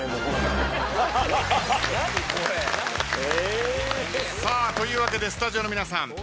え？というわけでスタジオの皆さん